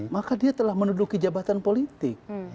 maka dia telah menuduki jabatan politik